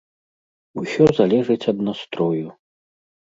Усё залежыць ад настрою.